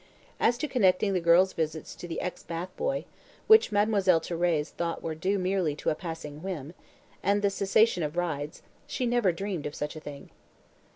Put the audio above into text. As to connecting the girl's visits to the ex bath boy which Mademoiselle Thérèse thought were due merely to a passing whim and the cessation of rides, she never dreamed of such a thing.